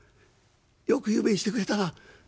よく夢にしてくれたな」。